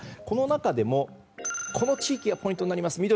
この中でも、この地域がポイントになります。